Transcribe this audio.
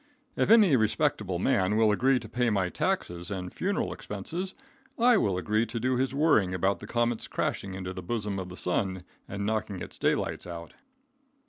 If any respectable man will agree to pay my taxes and funeral expenses, I will agree to do his worrying about the comet's crashing into the bosom of the sun and knocking its daylights out.